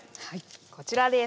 こちらです。